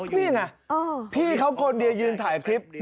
นี่นะพี่เขากดเยือนยืนถ่ายคลิป